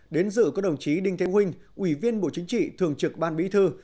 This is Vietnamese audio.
đến dự có đồng chí đinh thanh huynh ủy viên bộ chính trị thường trực ban bí thư